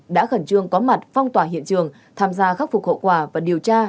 đã khẩn trương có mặt phong tỏa hiện trường tham gia khắc phục hậu quả và điều tra